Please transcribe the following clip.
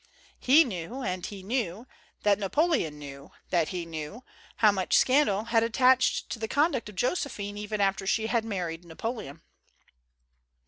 He knew, and he knew that Napoleon knew that he knew, how much scandal had attached to the conduct of Josephine even after she had married Napoleon.